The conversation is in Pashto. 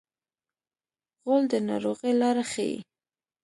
غول د ناروغۍ لاره ښيي.